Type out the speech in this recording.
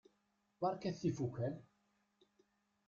Berkat tifukal!